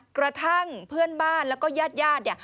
กระทั่งเพื่อนบ้านแล้วก็ญาติ